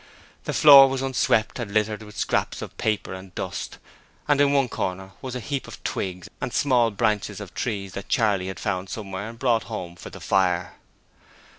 The floor was unswept and littered with scraps of paper and dust: in one corner was a heap of twigs and small branches of trees that Charley had found somewhere and brought home for the fire.